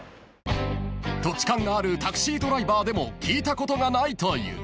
［土地勘があるタクシードライバーでも聞いたことがないという］